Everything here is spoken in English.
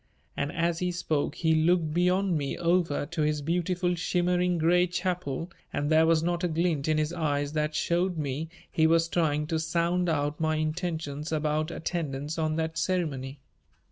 And as he spoke he looked beyond me over to his beautiful shimmering gray chapel and there was not a glint in his eyes that showed me he was trying to sound out my intentions about attendance on that ceremony.